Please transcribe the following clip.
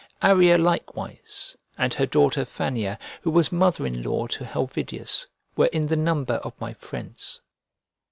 Arria likewise, and her daughter Fannia, who was mother in law to Helvidius, were in the number of my friends.